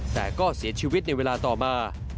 แต่ก็เสียชีวิตในเวลาต่อมา